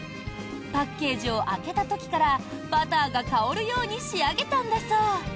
パッケージを開けた時からバターが香るように仕上げたんだそう。